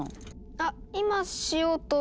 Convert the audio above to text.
あっ今しようと。